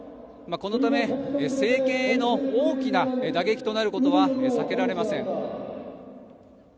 このため政権への大きな打撃となることは避けられません。